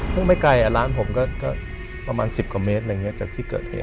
เพิ่งไม่ไกลอ่ะร้านผมก็ก็ประมาณสิบกว่าเมตรอะไรอย่างเงี้ยจากที่เกิดเห็น